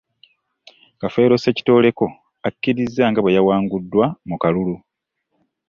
Kafeero Ssekitooleko, akkiriza nga bwe yawanguddwa mu kalulu